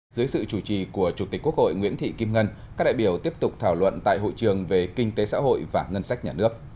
dưới sự chủ trì của chủ tịch quốc hội nguyễn thị kim ngân các đại biểu tiếp tục thảo luận tại hội trường về kinh tế xã hội và ngân sách nhà nước